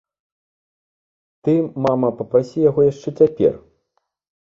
Ты, мама, папрасі яго яшчэ цяпер.